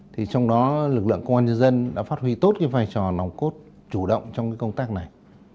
trong đó lực lượng công an nhân dân đã phát huy tốt vai trò nòng cốt chủ động trong công tác này